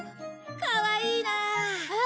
かわいいなあ！